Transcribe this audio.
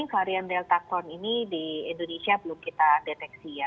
varian delta cron ini di indonesia belum kita deteksi ya